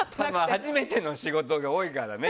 初めての仕事が多いからね。